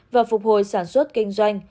và phục hồi sản xuất kinh doanh